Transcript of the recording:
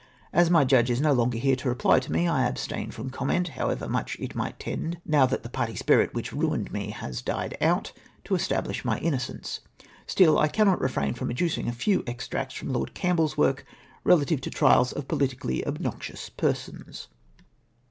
As my judge is no longer here to rej^ly to me, I abstain from comment, however mucli it might tend, now that the party spuit which ruined me has died out, to establish my innocence. Still I cannot refrain from adducing a few extracts from Lord Campbell's work, relative to the trials of politicaUy obnoxious persons.